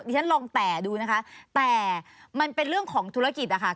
ฉันลองแต่ดูนะคะแต่มันเป็นเรื่องของธุรกิจนะคะ